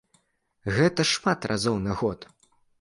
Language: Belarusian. Гэта шмат разоў на год.